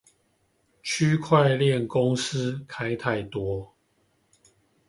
區塊鏈公司開太多